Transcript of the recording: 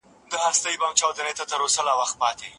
موږ د نويو لارو چارو لټه وکړه.